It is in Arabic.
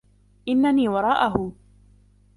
إنني وراءه.